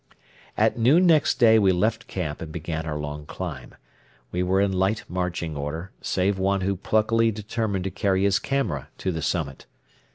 At noon next day we left camp and began our long climb. We were in light marching order, save one who pluckily determined to carry his camera to the summit.